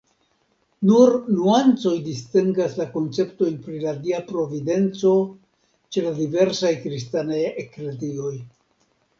Nur nuancoj distingas la konceptojn pri la Dia Providenco ĉe la diversaj kristanaj eklezioj.